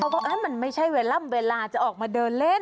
เขาก็มันไม่ใช่เวลาจะออกมาเดินเล่น